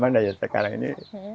bagaimana ya sekarang ini